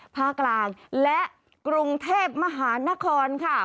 ภาคกลางและกรุงเทพมหานครค่ะ